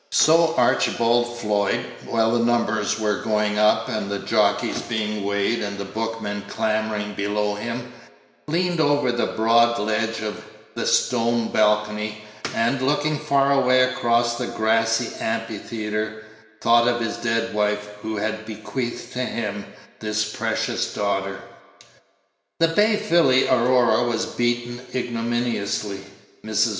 So Archibald Floyd, while the numbers were going up, and the jockeys being weighed, and the bookmen clamoring below him, leaned over the broad ledge of the stone balcony, and, looking far away across the grassy amphitheatre, thought of his dead wife who had bequeathed to him this precious daughter. The bay filly Aurora was beaten ignominiously. Mrs.